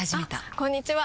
あこんにちは！